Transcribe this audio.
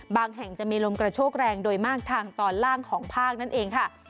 แห่งจะมีลมกระโชกแรงโดยมากทางตอนล่างของภาคนั่นเองค่ะ